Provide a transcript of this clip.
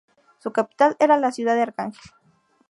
Su capital era la ciudad de Arcángel.